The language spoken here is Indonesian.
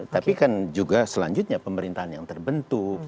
tapi kan juga selanjutnya pemerintahan yang terbentuk